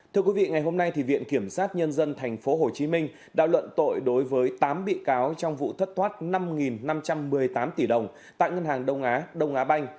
thưa quý vị ngày hôm nay viện kiểm sát nhân dân tp hcm đã luận tội đối với tám bị cáo trong vụ thất thoát năm năm trăm một mươi tám tỷ đồng tại ngân hàng đông á đông á banh